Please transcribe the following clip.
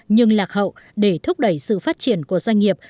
nhưng lạc hậu để thúc đẩy sự phát triển của doanh nghiệp